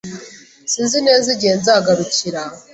Sinzi neza igihe nzagarukira.